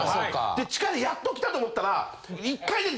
で地下でやっと来たと思ったら。